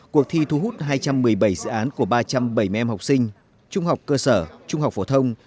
cuộc thi thu hút hai trăm một mươi bảy dự án của ba trăm bảy mươi em học sinh trung học cơ sở trung học phổ thông